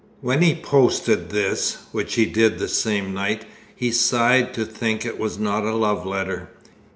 When he posted this which he did the same night he sighed to think it was not a love letter.